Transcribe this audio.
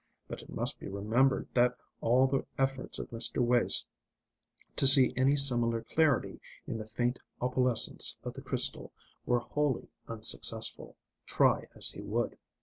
But it must be remembered that all the efforts of Mr. Wace to see any similar clarity in the faint opalescence of the crystal were wholly unsuccessful, try as he would.